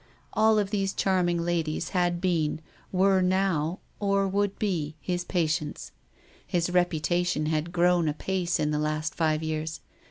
All of these charm ing ladies had been, were now, or would be, his patients. His reputation had grown apace in the last five years.